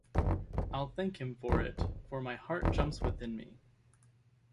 I'll thank him for it, for my heart jumps within me.